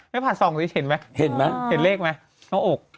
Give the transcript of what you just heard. ผ่านส่องสิเห็นไหมเห็นไหมเห็นเลขไหมหน้าอก